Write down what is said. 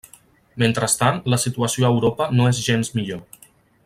Mentrestant, la situació a Europa no és gens millor.